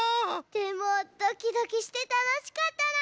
でもドキドキしてたのしかったな！